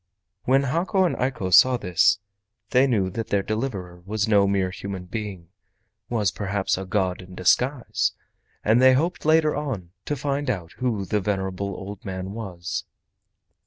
When Hako and Eiko saw this, they knew that their deliverer was no mere human being—was perhaps a god in disguise—and they hoped later on to find out who the venerable old man was.